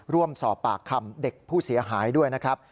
ร่วมสอบปากคำเด็กผู้เสียหายด้วยนะครับ